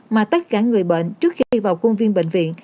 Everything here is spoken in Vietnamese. mà tất cả người bệnh trước khi vào khuôn viên bệnh viện